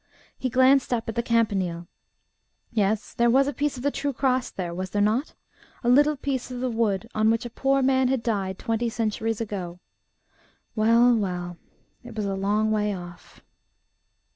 He glanced up at the Campanile. Yes; there was a piece of the True Cross there, was there not? a little piece of the wood on which a Poor Man had died twenty centuries ago.... Well, well. It was a long way off....